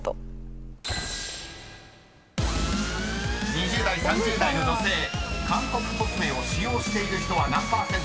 ［２０代３０代の女性韓国コスメを使用している人は何％か］